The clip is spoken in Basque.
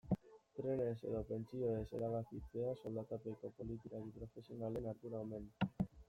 Trenez edo pentsioez erabakitzea soldatapeko politikari profesionalen ardura omen.